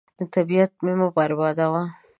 طبیعت مه بربادوه.